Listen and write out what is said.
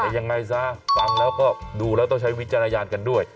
แต่ยังไงซะฟังแล้วก็ดูแล้วต้องใช้วิจารณญาณกันด้วย